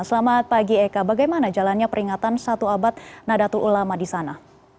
selamat pagi eka bagaimana jalannya peringatan satu abad nadatul ulama di sana